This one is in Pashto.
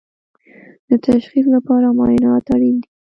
د تشخیص لپاره معاینات اړین دي